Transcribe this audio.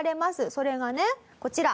それがねこちら。